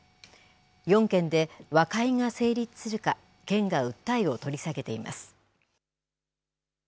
４件で和解が成立するか、県が訴えを取り下げています。